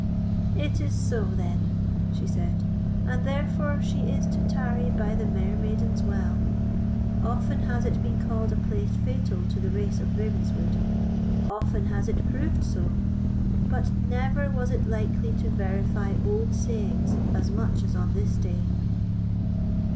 "It is so, then," she said, "and therefore she is to tarry by the Mermaiden's Well! Often has it been called a place fatal to the race of Ravenswood—often has it proved so; but never was it likely to verify old sayings as much as on this day."